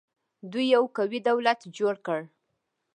دوی یو قوي دولت جوړ کړ